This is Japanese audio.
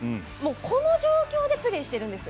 この状況でプレーしてるんです